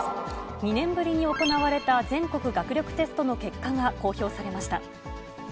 ２年ぶりに行われた全国学力テストの結果が公表されました。